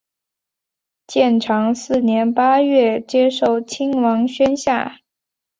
建长四年八月接受亲王宣下。